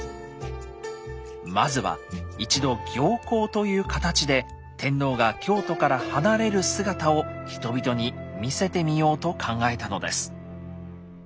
まずは一度行幸という形で天皇が京都から離れる姿を人々に見せてみようと考えたのです。